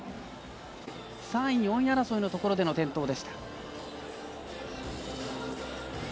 ３位、４位争いのところでの転倒でした。